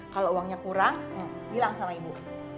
kalau uangnya kurang bilang sama ibu